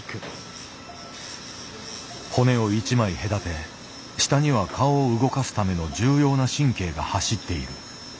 骨を１枚隔て下には顔を動かすための重要な神経が走っている。